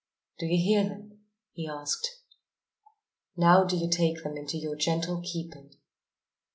"Do you hear them?" he asked. "Now do you take them into your gentle keeping."